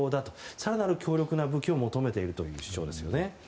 更なる強力な武器を求めているという主張ですよね。